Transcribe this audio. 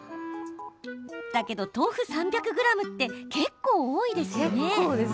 だけど豆腐３００ｇって結構、多いですよね。